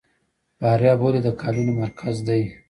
فاریاب ولې د قالینو مرکز دی؟